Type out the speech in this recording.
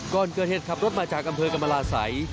ก่อนเกิดเหตุขับรถมาจากอำเภอกรรมราศัย